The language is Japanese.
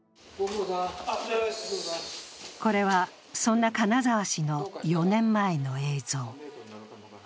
これは、そんな金沢氏の４年前の映像。